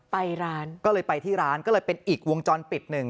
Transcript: ไปร้านก็เลยไปที่ร้านก็เลยเป็นอีกวงจรปิดหนึ่ง